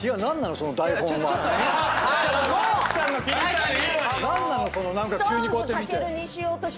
その何か急にこうやって見て。